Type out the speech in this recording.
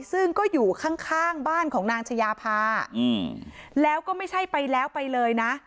ซึ่งก็อยู่ข้างข้างบ้านของนางชายาพาแล้วก็ไม่ใช่ไปแล้วไปเลยนะ